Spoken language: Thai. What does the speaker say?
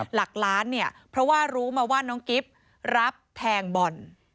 หลักล้านเนี่ยเพราะว่ารู้มาว่าน้องกิฟต์รับแทงบอล